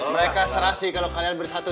mereka serasi kalau kalian bersatu